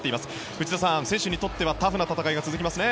内田さん、選手にとってタフな戦いが続きますね。